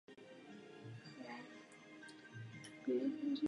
Rozměry hvězdy nejsou pravděpodobně žádným zákonem či předpisem určeny.